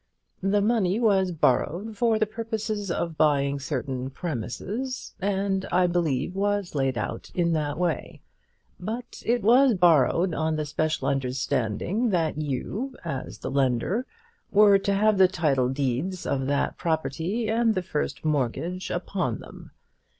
The money was borrowed for the purpose of buying certain premises, and, I believe, was laid out in that way. But it was borrowed on the special understanding that you, as the lender, were to have the title deeds of that property, and the first mortgage upon them.